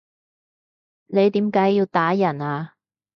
你點解要打人啊？